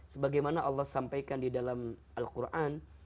sebagaimana allah sampaikan di dalam al quran